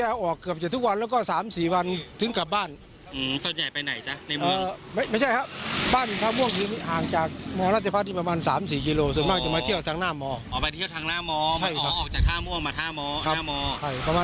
มออออกจากท่าม่วงมาท่ามอประมาณ๓กิโลเท่านั้นเองครับ